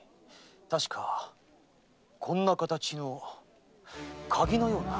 確かこんな形の鍵のような。